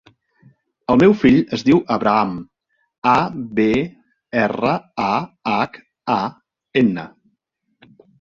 El meu fill es diu Abraham: a, be, erra, a, hac, a, ema.